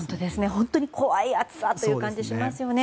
本当に怖い暑さという感じがしますよね。